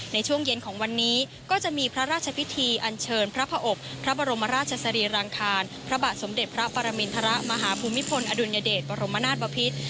ในช่วงเย็นของวันนี้ก็จะมีพระราชพิธีอันเชิญพระอบพระบรมราชสรีรางคารพระบาทสมเด็จพระปรมินทรมาฮภูมิพลอดุลยเดชบรมนาศบพิษ